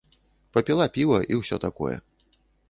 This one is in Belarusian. Папіла піва і ўсё такое.